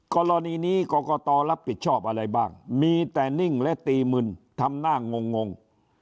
กรณีนี้กรกตรับผิดชอบอะไรบ้างมีแต่นิ่งและตีมึนทำหน้างง